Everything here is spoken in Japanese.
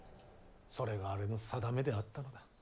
それがあれの宿命であったのだ。